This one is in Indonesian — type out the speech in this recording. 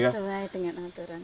sesuai dengan aturan